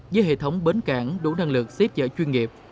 với hệ thống bến cảng đủ năng lực xếp chở chuyên nghiệp